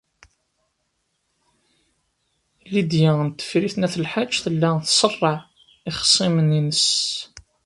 Lidya n Tifrit n At Lḥaǧ tella tṣerreɛ ixṣimen-nnes.